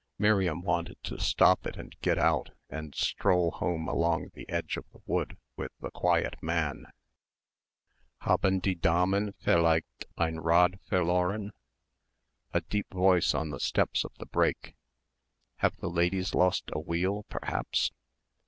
Miriam wanted to stop it and get out and stroll home along the edge of the wood with the quiet man. "Haben die Damen vielleicht ein Rad verloren?" A deep voice on the steps of the brake.... "Have the ladies lost a wheel, perhaps?"